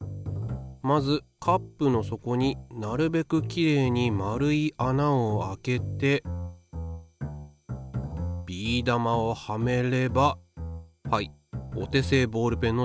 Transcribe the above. まずカップの底になるべくきれいに円い穴を開けてビー玉をはめればはいお手製ボールペンの出来上がり。